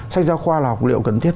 sách giáo khoa là học liệu cần thiết